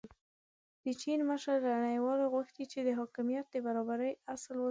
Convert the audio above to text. د چین مشر له نړیوالې غوښتي چې د حاکمیت د برابرۍ اصل وساتي.